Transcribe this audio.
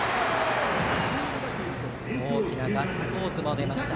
大きなガッツポーズも出ました